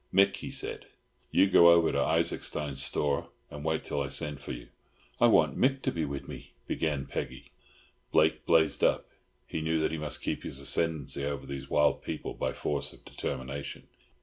"Mick," he said, "You go over to Isaacstein's store and wait till I send for you." "I want Mick to be wid me," began Peggy. Blake blazed up. He knew that he must keep his ascendancy over these wild people by force of determination.